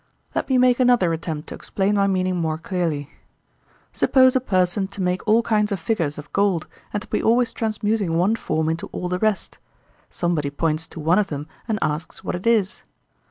Let me make another attempt to explain my meaning more clearly. Suppose a person to make all kinds of figures of gold and to be always transmuting one form into all the rest;—somebody points to one of them and asks what it is.